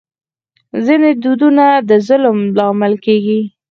ځینې دودونه د ظلم لامل کېږي.